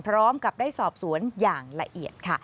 พร้อมกับได้สอบสวนอย่างละเอียดค่ะ